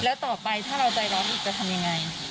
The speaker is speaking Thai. แล้วต่อไปถ้าเราใจร้อนอีกจะทำยังไง